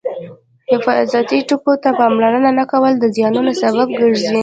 حفاظتي ټکو ته پاملرنه نه کول د زیانونو سبب ګرځي.